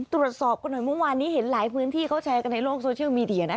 ตรวจสอบกันหน่อยเมื่อวานนี้เห็นหลายพื้นที่เขาแชร์กันในโลกโซเชียลมีเดีย